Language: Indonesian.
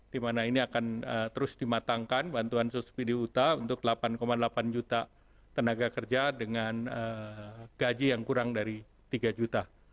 di mana ini akan terus dimatangkan bantuan subsidi upah untuk delapan delapan juta tenaga kerja dengan gaji yang kurang dari tiga juta